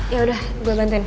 yaudah gue bantuin